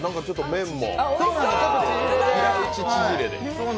麺も平打ち縮れで？